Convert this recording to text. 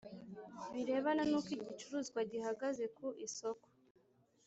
birebana n uko igicuruzwa gihagaze ku isoko